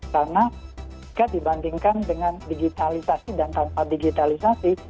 karena jika dibandingkan dengan digitalisasi dan tanpa digitalisasi